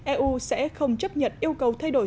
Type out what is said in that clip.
eu sẽ không chấp nhận yêu cầu thay đổi